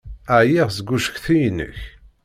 Ɛyiɣ seg ucetki-inek.